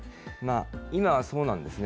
今はそうなんですね。